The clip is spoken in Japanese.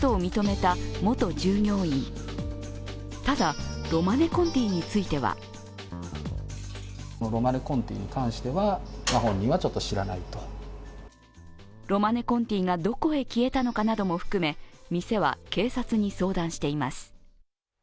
ただ、ロマネコンティについてはロマネコンティがどこへ消えたのかなども含め店は警察に相談しています。